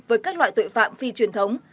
với các loại tuệ phạm phi truyền thống